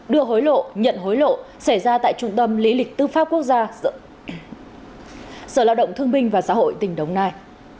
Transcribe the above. đưa hối lộ nhận hối lộ xảy ra tại trung tâm lý lịch tư pháp quốc gia sở lao động thương binh và xã hội tỉnh đồng nai